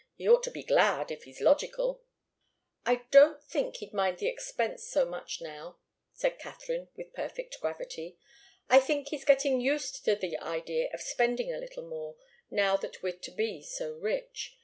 He ought to be glad, if he's logical." "I don't think he'd mind the expense so much now," said Katharine, with perfect gravity. "I think he's getting used to the idea of spending a little more, now that we're to be so rich.